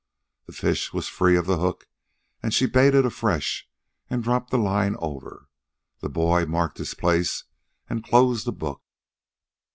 The fish was free of the hook, and she baited afresh and dropped the line over. The boy marked his place and closed the book.